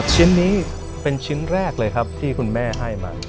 ชิ้นนี้เป็นชิ้นแรกเลยครับที่คุณแม่ให้มา